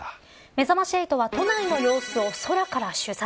めざまし８は都内の様子を空から取材。